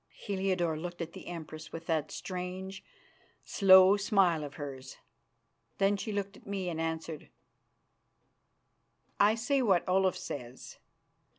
Heliodore looked at the Empress with that strange, slow smile of hers. Then she looked at me, and answered: "I say what Olaf says.